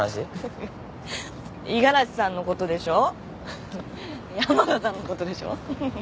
五十嵐さんのことでしょ山賀さんのことでしょフフフ。